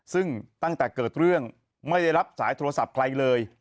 ซึ่งตั้งแต่เกิดเรื่องไม่ได้รับสายโทรศัพท์ใครเลย